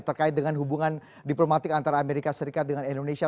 terkait dengan hubungan diplomatik antara amerika serikat dengan indonesia